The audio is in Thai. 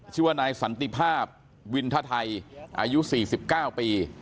ชื่อว่านายสันติภาพวินทไทยอายุ๔๙ปี